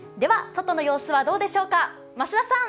外の様子はどうでしょうか、増田さん。